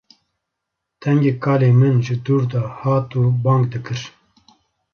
Dengê kalê min ji dûr de hat û bang dikir